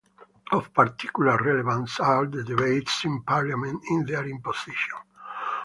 Of particular relevance are the debates in Parliament in their imposition.